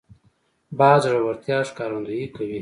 باز د زړورتیا ښکارندویي کوي